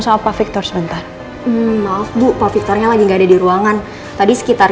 sama pak victor sebentar maaf bu pak victor nya lagi enggak ada di ruangan tadi sekitar